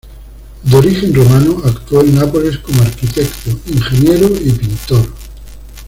De origen romano, actuó en Nápoles como arquitecto, ingeniero y pintor.